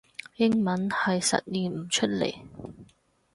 英文係實現唔出嚟